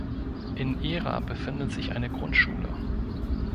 In Ehra befindet sich eine Grundschule.